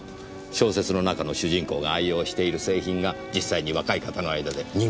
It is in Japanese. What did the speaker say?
小説の中の主人公が愛用している製品が実際に若い方の間で人気になっているわけですね。